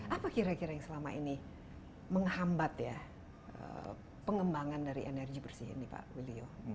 apa kira kira yang selama ini menghambat ya pengembangan dari energi bersih ini pak willio